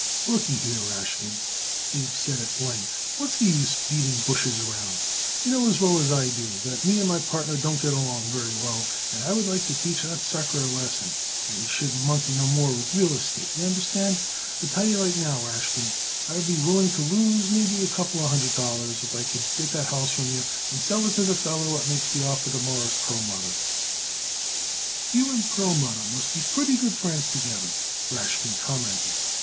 "Lookyhere, Rashkin," Abe said at length, "what's the use beating bushes around? You know as well as I do that me and my partner don't get along well together, and I would like to teach that sucker a lesson that he shouldn't monkey no more with real estate, y'understand. I'll tell you right now, Rashkin, I would be willing to lose maybe a couple hundred dollars if I could get that house from you and sell it to the feller what makes the offer to Mawruss Perlmutter." "You and Perlmutter must be pretty good friends together," Rashkin commented.